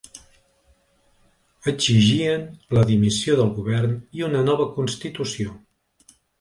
Exigien la dimissió del govern i una nova constitució.